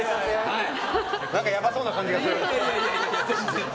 何か、やばそうな感じがする。